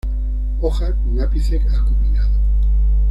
Hoja con ápice acuminado.